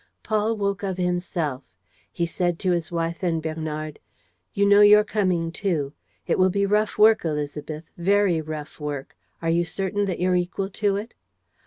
Paul woke of himself. He said to his wife and Bernard: "You know, you're coming, too. It will be rough work, Élisabeth, very rough work. Are you certain that you're equal to it?"